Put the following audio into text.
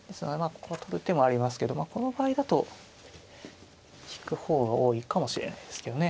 ここは取る手もありますけどこの場合だと引く方が多いかもしれないですけどね。